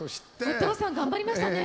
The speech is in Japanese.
お父さん頑張りましたね。